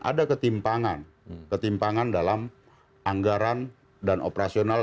ada ketimpangan ketimpangan dalam anggaran dan operasional